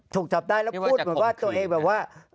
ถูกจับได้แล้วพูดเหมือนว่าตัวเองแบบว่า